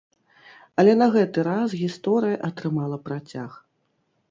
Але на гэты раз гісторыя атрымала працяг.